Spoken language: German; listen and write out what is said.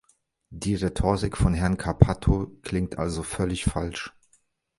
Die Rhetorik von Herrn Cappato klingt also völlig falsch.